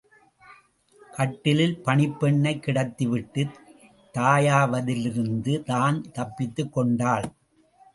கட்டிலில் பணிப்பெண்ணைக் கிடத்திவிட்டுத் தாயாவதிலிருந்து தான் தப்பித்துக் கொண்டாள்.